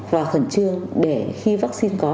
và khẩn trương để khi vaccine có